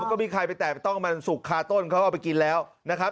ก็มีใครไปแตกต้องมันสุกคาต้นเขาเอาไปกินแล้วนะครับ